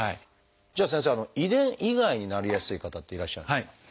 じゃあ先生遺伝以外になりやすい方っていらっしゃるんですか？